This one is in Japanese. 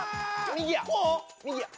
右や。